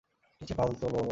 নিচে পাল তোলো!